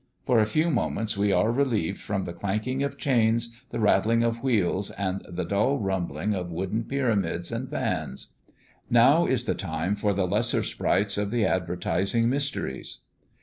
For a few moments we are relieved from the clanking of chains, the rattling of wheels, and the dull rumbling of wooden pyramids and vans. Now is the time for the lesser sprites of the advertising mysteries.